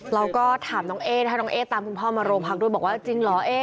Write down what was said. เราก็ถามน้องเอ๊ถ้าน้องเอ๊ตามคุณพ่อมาโรงพักด้วยบอกว่าจริงเหรอ